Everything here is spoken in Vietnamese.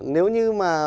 nếu như mà